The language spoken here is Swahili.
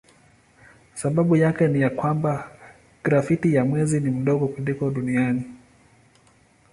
Sababu yake ni ya kwamba graviti ya mwezi ni ndogo kuliko duniani.